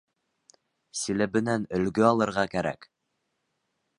Силәбенән өлгө алырға кәрәк.